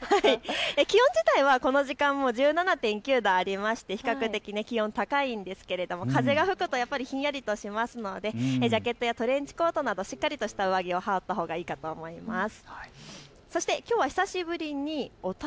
気温自体はこの時間も１７．９度ありまして比較的気温高いですが風が吹くとひんやりしますのでジャケットやトレンチコートなどしっかりとした上着を羽織ったほうがいいかと思います。